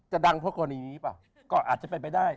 จะดังเพราะคนนี้ป่ะก็อาจจะเป็นไปได้